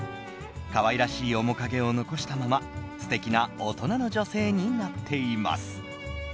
可愛らしい面影を残したまま素敵な大人の女性になっています。